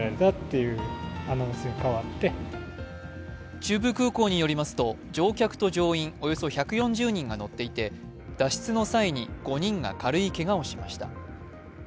中部空港によりますと、乗客と乗員およそ１４０人が乗っていて、脱出の際に５人が軽いけがをしました。